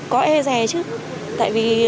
có e rè chứ tại vì